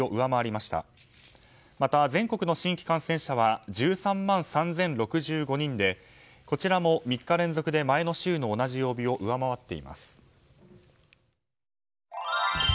また、全国の新規感染者は１３万３０６５人でこちらも３日連続で前の週の同じ曜日を上回っています。